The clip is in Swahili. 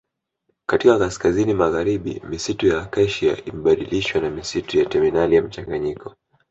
Katika kaskazini magharibi misitu ya Acacia imebadilishwa na misitu ya Terminalia mchanganyiko